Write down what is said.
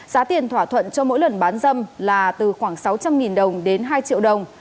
giá tiền thỏa thuận cho mỗi lần bán dâm là từ khoảng sáu trăm linh đồng đến hai triệu đồng